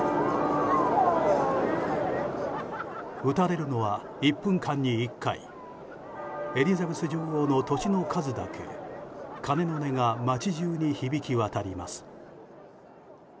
打たれるのは１分間に１回エリザベス女王の歳の数だけ鐘の音が街中に響き渡ります。